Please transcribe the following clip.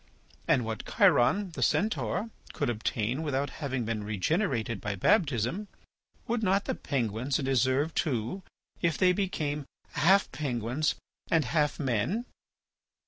And what Chiron, the Centaur, could obtain without having been regenerated by baptism, would not the penguins deserve too, if they became half penguins and half men?